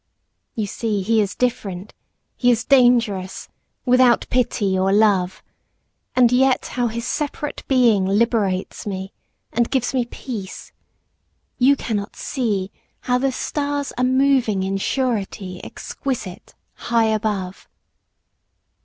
You see he is different, he is dangerous, Without pity or love. And yet how his separate being liberates me And gives me peace! You cannot see How the stars are moving in surety Exquisite, high above.